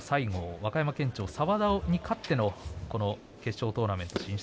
和歌山県庁、沢田に勝ってのこの決勝トーナメント進出。